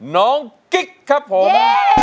น้องกิ๊กครับผม